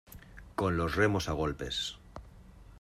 con los remos a golpes.